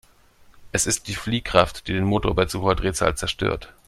Es ist die Fliehkraft, die den Motor bei zu hoher Drehzahl zerstört.